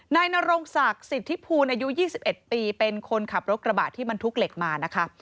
นายนรงศักดิ์สิทธิภูลอายุ๒๑ปีเป็นคนขับรถกระบะที่บรรทุกเหล็กมานะคะ